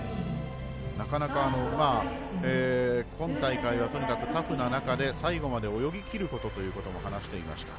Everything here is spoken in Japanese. なかなか、今大会はとにかくタフな中で最後まで泳ぎきることと話していました。